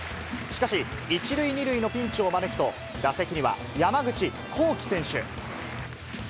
しかし、１塁２塁のピンチを招くと、打席には山口航輝選手。